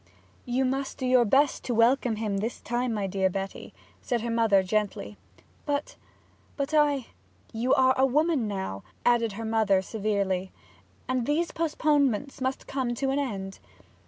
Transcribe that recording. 'You must do your best to welcome him this time, my dear Betty,' her mother said gently. 'But but I ' 'You are a woman now,' added her mother severely, 'and these postponements must come to an end.'